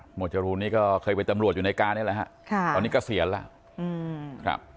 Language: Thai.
หมดจะรู้นี่ก็เคยไปตำรวจอยู่ในการเนี่ยแหละฮะตอนนี้ก็เสียแล้ว